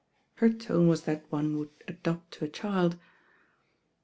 Her tone was that one would adopt to a child.